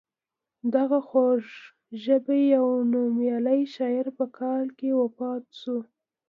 دغه خوږ ژبی او نومیالی شاعر په کال کې وفات شو.